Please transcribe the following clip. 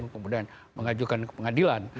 kemudian mengajukan ke pengadilan